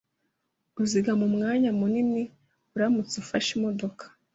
Uzigama umwanya munini uramutse ufashe imodoka.